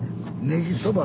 ねぎそば？